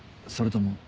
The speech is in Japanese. それとも。